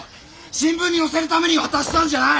新聞に載せるために渡したんじゃない！